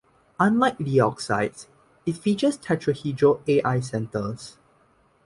Unlike the oxides, it features tetrahedral Al centers.